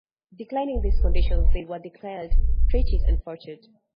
Declining these conditions they were declared traitors and forfeited.